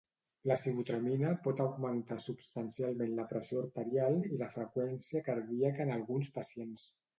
La sibutramina pot augmentar substancialment la pressió arterial i la freqüència cardíaca en alguns pacients.